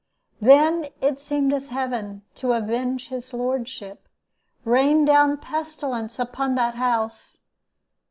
"Then it seemed as if Heaven, to avenge his lordship, rained down pestilence upon that house.